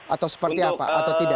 atau seperti apa atau tidak